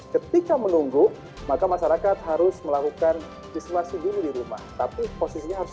ketika menunggu maka masyarakat harus melakukan isolasi dulu dirumah tapi posisinya harus